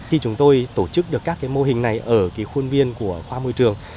khi chúng tôi tổ chức được các mô hình này ở khuôn viên của khoa môi trường